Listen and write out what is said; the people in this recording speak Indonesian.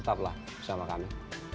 tetaplah bersama kami